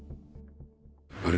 あれ？